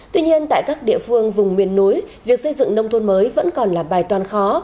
tuy nhiên tại các địa phương vùng miền núi việc xây dựng nông thôn mới vẫn còn là bài toàn khó